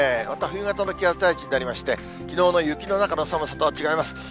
また冬型の気圧配置になりまして、きのうの雪の中の寒さとは違います。